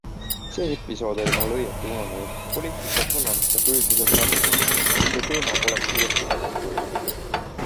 See episood oli mul õieti ununenud - poliitik on solvamistega üldiselt harjunud -, kui see teema poleks uuesti tagasi tulnud.